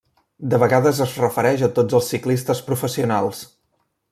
De vegades es refereix a tots els ciclistes professionals.